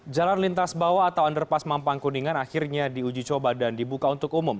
jalan lintas bawah atau underpas mampang kuningan akhirnya diuji coba dan dibuka untuk umum